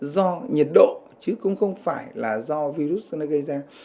do nhiệt độ chứ cũng không phải là do virus corona gây ra